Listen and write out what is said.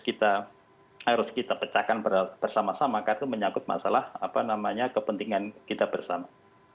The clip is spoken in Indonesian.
kita harus kita pecahkan bersama sama karena itu menyangkut masalah apa namanya kepentingan kita bersama